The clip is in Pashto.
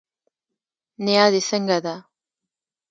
نيا دي څنګه ده